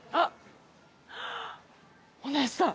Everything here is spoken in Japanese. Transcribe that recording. お姉さん！